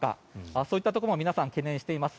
そういったところも皆さん、懸念しています。